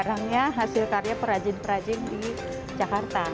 barangnya hasil karya perajin perajin di jakarta